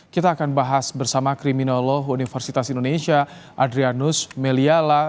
kita akan bahas bersama kriminolog universitas indonesia adrianus meliala